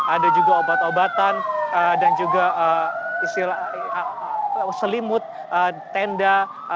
ada juga obat obatan dan juga selimut tenda